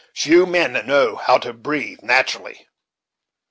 Few men know how to breathe naturally."